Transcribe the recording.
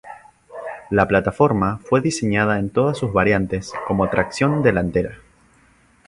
La plataforma fue diseñada en todas sus variantes como tracción delantera.